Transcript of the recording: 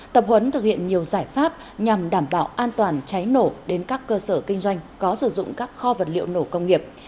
tập huấn thực hiện nhiều giải pháp nhằm đảm bảo an toàn cháy nổ đến các cơ sở kinh doanh có sử dụng các kho vật liệu nổ công nghiệp